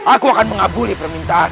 aku akan mengabuli permintaan